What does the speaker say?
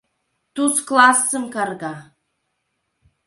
— Туз классым карга!